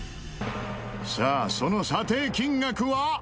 さあその査定金額は。